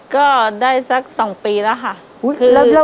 ก็ได้สัก๒ปีแล้วค่ะ